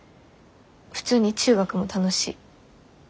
普通に中学も楽しい。